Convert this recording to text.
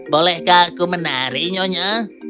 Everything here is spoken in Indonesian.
bolehkah aku menari nyonya